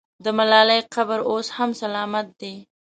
د ملالۍ قبر اوس هم سلامت دی.